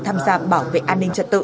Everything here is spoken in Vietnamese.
tham gia bảo vệ an ninh trật tự